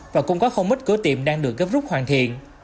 và cũng có không ít cửa tiệm đang được gấp rút hoàn thiện